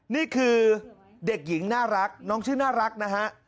นี่คือเด็กหญิงน่ารักน้องชื่อน่ารักนะฮะ